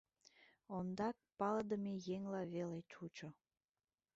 Ондак палыдыме еҥла веле чучо.